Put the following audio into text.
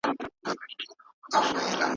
ارام ذهن مشورو ته غوږ نیسي.